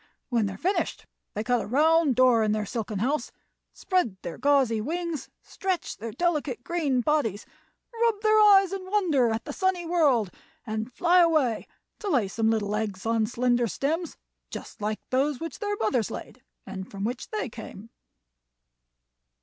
When they are finished they cut a round door in their silken house, spread their gauzy wings, stretch their delicate green bodies, rub their eyes in wonder at the sunny world, and fly away to lay some little eggs on slender stems just like those which their mothers laid and from which they came."